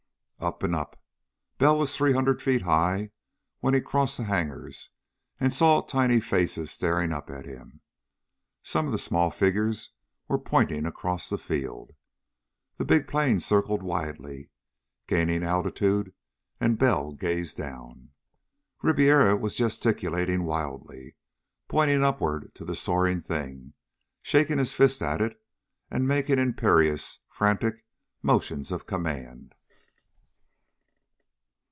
Up, and up.... Bell was three hundred feet high when he crossed the hangars and saw tiny faces staring up at him. Some of the small figures were pointing across the field. The big plane circled widely, gaining altitude, and Bell gazed down. Ribiera was gesticulating wildly, pointing upward to the soaring thing, shaking his fist at it, and making imperious, frantic motions of command.